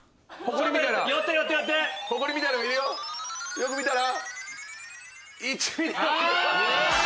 よく見たら。